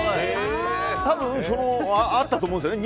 多分、あったと思うんですよね